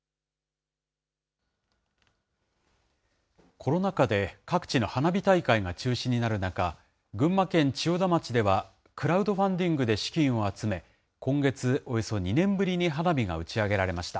コロナ禍で各地の花火大会が中止になる中、群馬県千代田町では、クラウドファンディングで資金を集め、今月、およそ２年ぶりに花火が打ち上げられました。